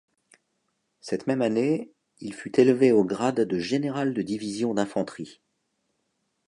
Cette même année, il fut élevé au grade de général de division d'infanterie.